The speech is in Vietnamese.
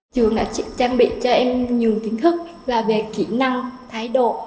trường đã trang bị cho em nhiều kiến thức về kỹ năng thái độ